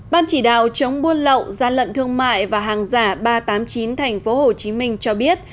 ban chỉ đạo chống buôn lậu gian lận thương mại và hàng giả ba trăm tám mươi chín tp hcm cho biết